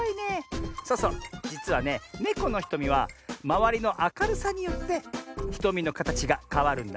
そうそうじつはねネコのひとみはまわりのあかるさによってひとみのかたちがかわるんだね。